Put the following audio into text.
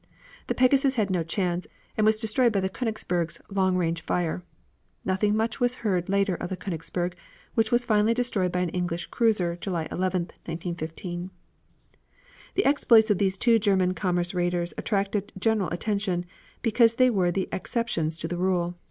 The Pegasus had no chance, and was destroyed by the Koenigsberg's long range fire. Nothing much was heard later of the Koenigsberg, which was finally destroyed by an English cruiser, July 11, 1915. The exploits of these two German commerce raiders attracted general attention, because they were the exceptions to the rule.